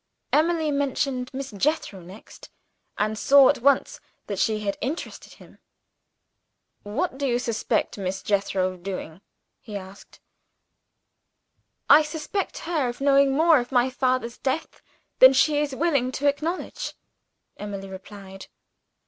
Emily mentioned Miss Jethro next and saw at once that she had interested him. "What do you suspect Miss Jethro of doing?" he asked. "I suspect her of knowing more of my father's death than she is willing to acknowledge," Emily replied.